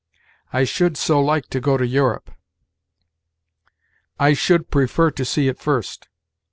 "I should so like to go to Europe!" "I should prefer to see it first."